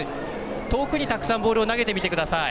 遠くに、たくさんボールを投げてみてください。